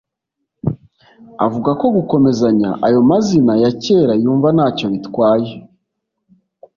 Avuga ko gukomezanya ayo mazina ya kera yumva ntacyo bitwaye